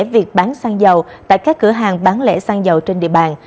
việc bán xăng dầu tại các cửa hàng bán lẻ xăng dầu trên địa bàn